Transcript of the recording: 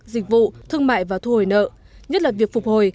dịch vụ thương mại và thu hồi nợ nhất là việc phục hồi